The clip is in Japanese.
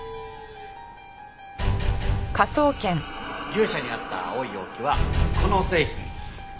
牛舎にあった青い容器はこの製品。